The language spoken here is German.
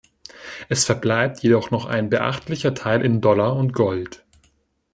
Es verbleibt jedoch noch ein beachtlicher Teil in Dollar und Gold.